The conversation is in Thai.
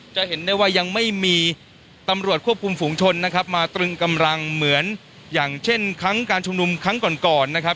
จะเห็นได้ว่ายังไม่มีตำรวจควบคุมฝูงชนนะครับมาตรึงกำลังเหมือนอย่างเช่นครั้งการชุมนุมครั้งก่อนก่อนนะครับ